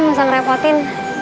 gak usah ngerepotin